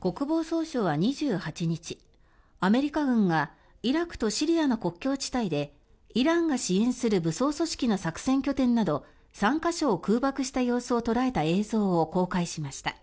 国防総省は２８日アメリカ軍がイラクとシリアの国境地帯でイランが支援する武装組織の作戦拠点など３か所を空爆した様子を捉えた映像を公開しました。